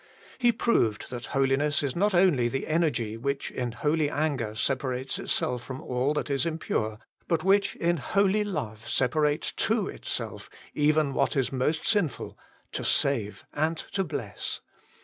He proved that holiness is not only the energy which in holy anger separates itself from all that is impure, but which in holy love separates to itself even what is most sinful, to save and to bless.